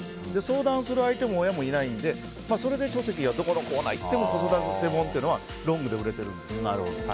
相談する相手も親もいないんで、それで書籍がどこのコーナー行っても子育て本というのはロングで売れているんです。